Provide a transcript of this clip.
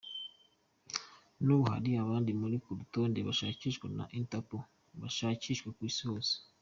N’ubu hari abandi bari ku rutonde bashakishwa na Interpol, bashakishwa ku Isi yose.